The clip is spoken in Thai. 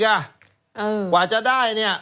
กว่าจะได้เนี่ย